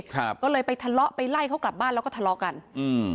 ครับก็เลยไปทะเลาะไปไล่เขากลับบ้านแล้วก็ทะเลาะกันอืม